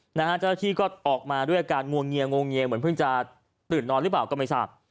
เจ้าหน้าที่ก็ออกมาด้วยอาการงวงเงียงวงเงียเหมือนเพิ่งจะตื่นนอนหรือเปล่าก็ไม่ทราบ